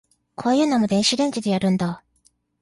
こういうのも電子レンジでやるんだ